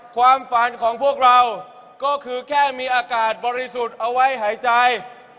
ความฝันของพวกเราก็คือแค่มีอากาศบริสุทธิ์เอาไว้หายใจ